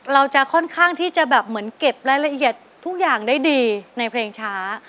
เราจะค่อนข้างที่จะแบบเหมือนเก็บรายละเอียดทุกอย่างได้ดีในเพลงช้า